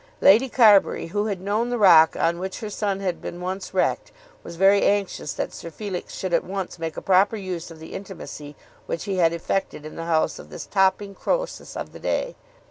Lady Carbury, who had known the rock on which her son had been once wrecked, was very anxious that Sir Felix should at once make a proper use of the intimacy which he had effected in the house of this topping Croesus of the day.